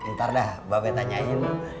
ntar dah bapak tanyain